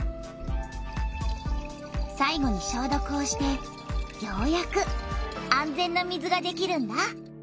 さいごにしょうどくをしてようやく安全な水ができるんだ。